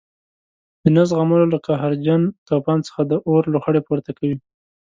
د نه زغملو له قهرجن توپان څخه د اور لوخړې پورته کوي.